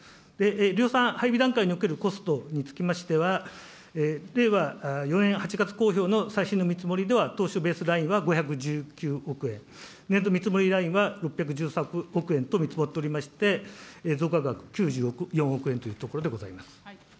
量産配備段階におけるコストについては、令和４年８月公表の最新の見積もりでは、当初ベースラインは５１９億円、年度見積もりラインは６１３億円と見積もっておりまして、増加額９４億円というところでございます。